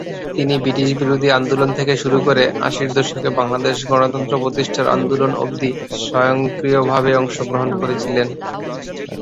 তিনি ব্রিটিশবিরোধী আন্দোলন থেকে শুরু করে আশির দশকে বাংলাদেশে গণতন্ত্র প্রতিষ্ঠার আন্দোলন অবধি সক্রিয়ভাবে অংশগ্রহণ করেছিলেন।